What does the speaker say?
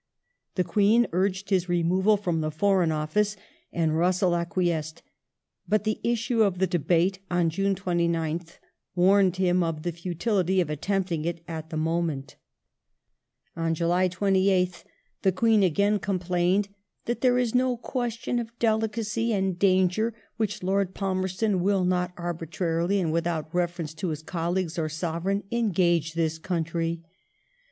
The Queen urged his removal from the Foreign Office, and Russell acquiesced, but the issue of the Debate on June 29th warned him of the futility of attempting it at the moment. On July 28th the Queen again 206 GREAT BRITAIN AND CONTINENTAL POLITICS [1846 com plained that "there is no question of delicacy and danger in which Lord Palmerston will not arbitrarily and without reference to his colleagues or Sovereign engage this country